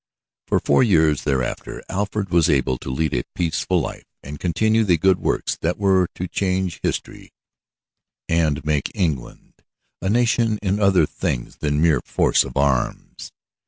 For four years thereafter Alfred was able to lead a peaceful life and continue the good works that were to change history and make England a nation in other things than mere force of arms.